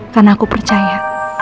karena aku percaya